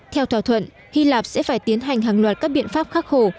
theo thỏa thuận hy lạp sẽ phải tiến hành hàng loạt các biện pháp khắc khổ